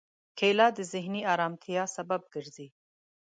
کېله د ذهني ارامتیا سبب کېږي.